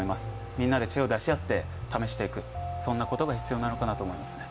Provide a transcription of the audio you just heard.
みんなで知恵を出し合って試していくことが必要なのかなと思いますね。